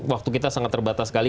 waktu kita sangat terbatas sekali